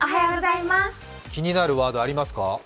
気になるワードありますか？